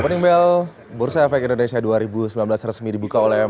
perangkali yang ingin saya tekankan